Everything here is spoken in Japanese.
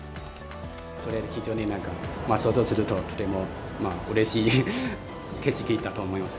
それを非常に想像すると、とてもうれしい景色だと思います。